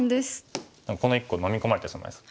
この１個のみ込まれてしまいそう。